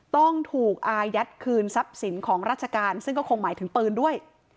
ต้องถูกอายัดคืนทรัพย์สินของราชการซึ่งก็คงหมายถึงปืนด้วย